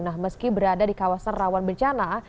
nah meski berada di kawasan rawan bencana